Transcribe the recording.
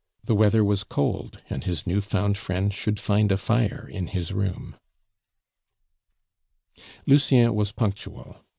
The weather was cold, and his new found friend should find a fire in his room. Lucien was punctual.